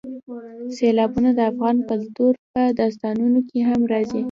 سیلابونه د افغان کلتور په داستانونو کې هم راځي.